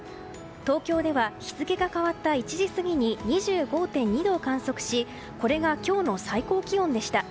東京では日付が変わった１時過ぎに２５．２度を観測しこれが今日の最高気温でした。